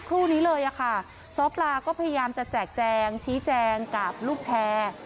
ครู่นี้เลยค่ะซ้อปลาก็พยายามจะแจกแจงชี้แจงกับลูกแชร์